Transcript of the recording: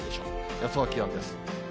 予想気温です。